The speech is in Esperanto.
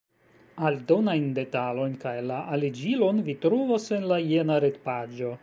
Aldonajn detalojn kaj la aliĝilon vi trovos en la jena retpaĝo.